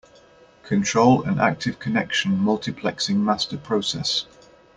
Control an active connection multiplexing master process.